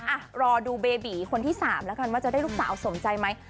อะรอดูเบบหรือคนที่สามจะได้ลูกสาวสมใจไหม